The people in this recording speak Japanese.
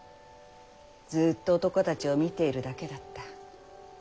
ずうっと男たちを見ているだけだった。